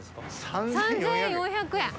３４００円。